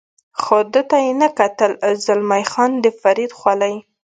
خو ده ته یې نه کتل، زلمی خان د فرید خولۍ.